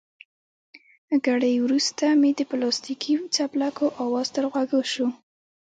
ګړی وروسته مې د پلاستیکي څپلکو اواز تر غوږو شو.